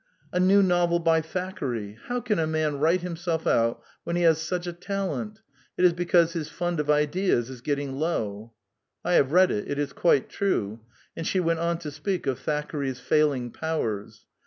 ''A new novel by Thackeray. How can a man write himself out so when he has such a talent ! It is because his fund of ideas is getting low." ''I have read it; it is quite trae." And she went on to speak of Thackeray's failing powers.